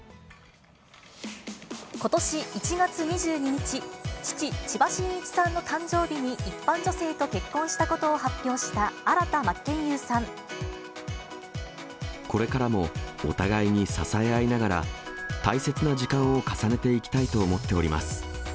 ことし１月２２日、父、千葉真一さんの誕生日に一般女性と結婚したことを発表した、これからもお互いに支え合いながら、大切な時間を重ねていきたいと思っております。